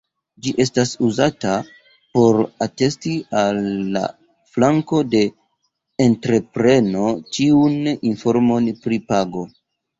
Ĝi estas uzata por atesti el la flanko de entrepreno ĉiun informon pri pago.